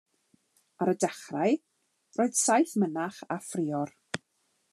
Ar y dechrau, roedd saith mynach a phrior.